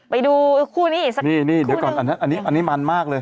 ไปดูคู่นี้สักครู่หนึ่งนี่นี่เดี๋ยวก่อนอันนี้มันมากเลย